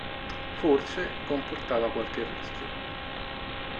Forse, comportava qualche rischio.